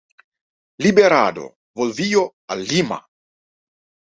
Liberado, volvió a Lima.